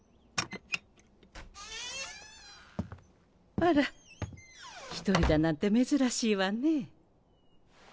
あら１人だなんて珍しいわね。